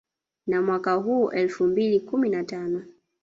Na mwaka huo elfu mbili kumi na tano